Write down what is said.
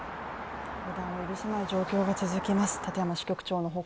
予断を許さない状況が続きます。